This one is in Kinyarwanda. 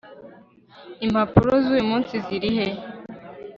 impapuro zuyu munsi zirihe